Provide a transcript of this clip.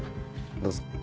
どうぞ。